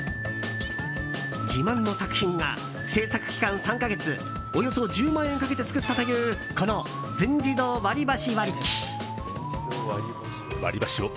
自慢の作品が、製作期間３か月およそ１０万円かけて作ったというこの全自動割り箸割り機。